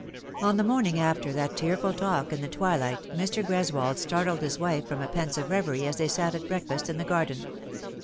On the morning after that tearful talk in the twilight Mr. Greswold startled his wife from a pensive reverie as they sat at breakfast in the garden.